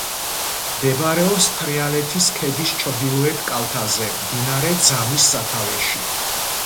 მდებარეობს თრიალეთის ქედის ჩრდილოეთ კალთაზე, მდინარე ძამის სათავეში.